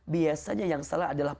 biasanya yang salah adalah